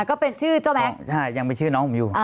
ก็เป็นชื่อเจ้าแม็กซ์ใช่ยังเป็นชื่อน้องผมอยู่